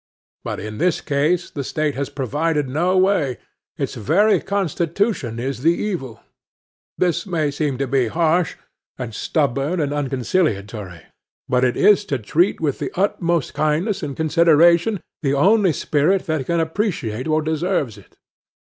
But in this case the State has provided no way: its very Constitution is the evil. This may seem to be harsh and stubborn and unconcilliatory; but it is to treat with the utmost kindness and consideration the only spirit that can appreciate or deserves it.